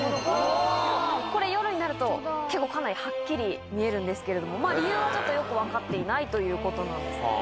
夜になるとかなりはっきり見えるんですけれども理由はちょっとよく分かっていないということなんです。